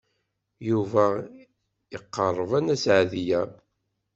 Yuba iqerreb ar Nna Seɛdiya.